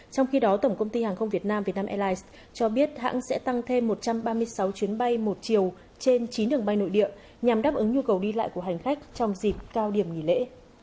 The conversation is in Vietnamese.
trong khi đó tổng công ty hàng không việt nam vietnam airlines cho biết hãng sẽ tăng thêm một trăm ba mươi sáu chuyến bay một chiều trên chín đường bay nội địa nhằm đáp ứng nhu cầu đi lại của hành khách trong dịp cao điểm nghỉ lễ